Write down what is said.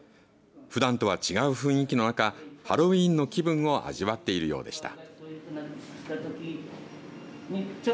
ふだんとは違う雰囲気の中ハロウィーンの気分を味わっているようでした。